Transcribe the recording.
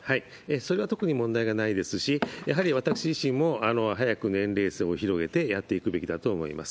それは特に問題がないですし、やはり私自身も早く年齢層を広げてやっていくべきだと思います。